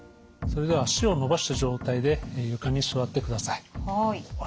それでは脚を伸ばした状態で床に座ってください。